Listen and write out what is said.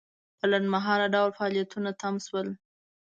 په لنډمهاله ډول فعالیتونه تم شول.